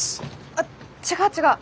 あっ違う違う！